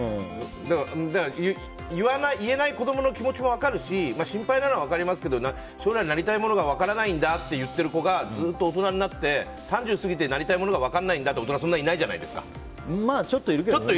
言えない子供の気持ちも分かるし心配なのは分かりますけど将来なりたいものが分からないんだって言ってる子がずっと大人になって３０過ぎて、なりたいものが分からないんだとかいう大人はちょっといるけどね。